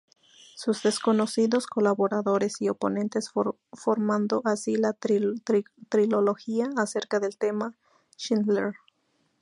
Sus desconocidos colaboradores y oponentes" formando así la trilogía acerca del tema Schindler.